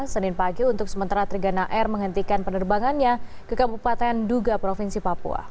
senin pagi untuk sementara trigana air menghentikan penerbangannya ke kabupaten duga provinsi papua